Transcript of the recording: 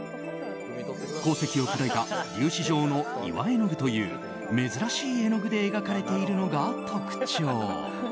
鉱石を砕いた粒子状の岩絵の具という珍しい絵の具で描かれているのが特徴。